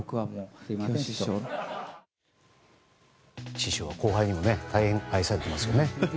師匠は後輩にも大変愛されていますよね。